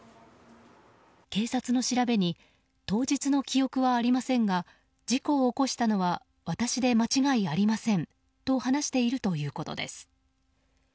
警察の調べに当日の記憶はありませんが事故を起こしたのは私で間違いありませんと話しているということです。